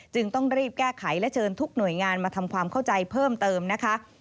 จึงต้องรีบแก้ไขและเชิญทุกหน่วยงานมาทำความเข้าใจเพิ่มเติมนะคะ